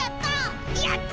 やった！